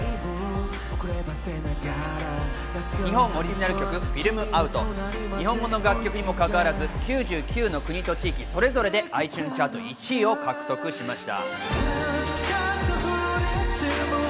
日本オリジナル曲『Ｆｉｌｍｏｕｔ』、日本語の楽曲にもかかわらず９９の国と地域それぞれでｉＴｕｎｅｓチャート１位を獲得しました。